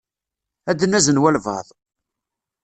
Ad nazen walebɛaḍ.